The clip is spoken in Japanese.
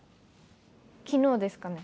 昨日ですかね。